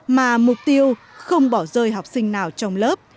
mà mục tiêu không bỏ rơi học sinh nào trong lớp